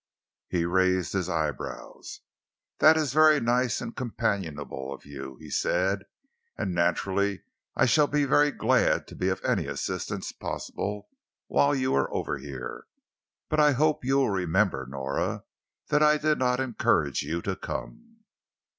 He raised his eyebrows. "That is very nice and companionable of you," he said, "and naturally I shall be very glad to be of any assistance possible whilst you are over here, but I hope you will remember, Nora, that I did not encourage you to come."